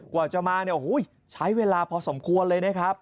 กว่าจะมาเนี่ยโอ้โหใช้เวลาพอสมควรเลยนะครับ